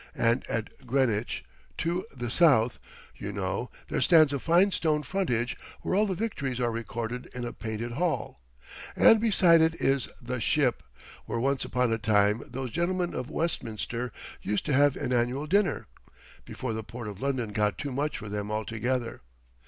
And at Greenwich to the south, you know, there stands a fine stone frontage where all the victories are recorded in a Painted Hall, and beside it is the "Ship" where once upon a time those gentlemen of Westminster used to have an annual dinner—before the port of London got too much for them altogether.